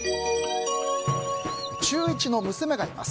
中１の娘がいます。